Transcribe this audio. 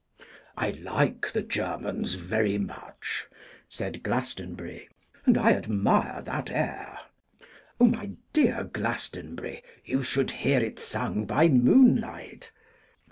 'I like the Germans very much,' said Glastonbury, 'and I admire that air.' 'O! my dear Glastonbury, you should hear it sung by moonlight.